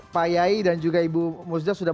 pak yayi dan juga ibu musda sudah